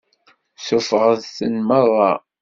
Suffɣet-ten meṛṛa.